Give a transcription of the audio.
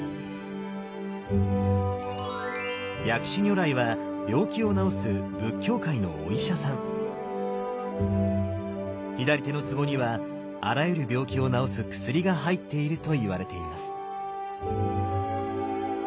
薬師如来は病気を治す左手の壺にはあらゆる病気を治す薬が入っているといわれています。